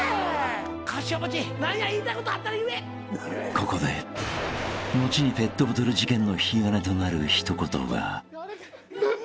［ここで後にペットボトル事件の引き金となる一言が］えっ？